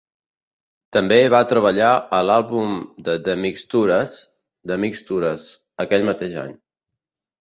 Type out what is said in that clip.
També va treballar a l"àlbum de The Mixtures, "The Mixtures", aquell mateix any.